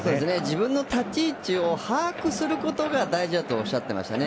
自分の立ち位置を把握することが大事だとおっしゃっていましたね。